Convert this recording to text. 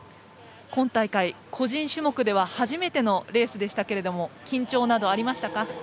今大会、個人種目では初めてのレースでしたけれども緊張などありましたか。